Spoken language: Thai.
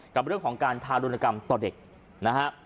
กับเรื่องของการทารุณกรรมต่อเด็กนะฮะ